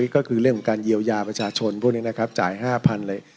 ก็คือเรื่องของการเยี่ยวยาประชาชนพวกนี้จ่าย๕๐๐๐บาทเลย